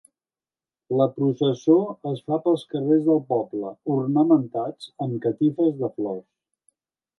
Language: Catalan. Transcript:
La processó es fa pels carrers del poble, ornamentats amb catifes de flors.